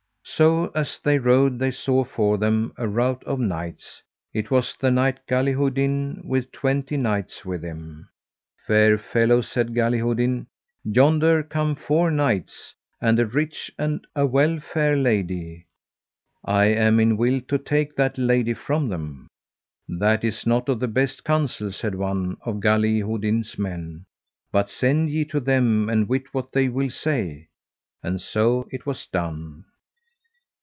So as they rode they saw afore them a rout of knights; it was the knight Galihodin with twenty knights with him. Fair fellows, said Galihodin, yonder come four knights, and a rich and a well fair lady: I am in will to take that lady from them. That is not of the best counsel, said one of Galihodin's men, but send ye to them and wit what they will say; and so it was done.